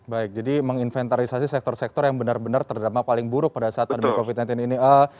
baik jadi menginventarisasi sektor sektor yang benar benar terdampak paling buruk pada saat pandemi covid sembilan belas ini